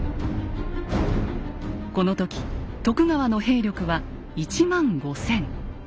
この時徳川の兵力は１万５，０００。